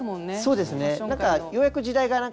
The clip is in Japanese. そうですねはい。